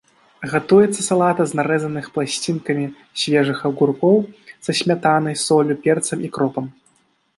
Гатуецца салата з нарэзаных пласцінкамі свежых агуркоў са смятанай, соллю, перцам і кропам.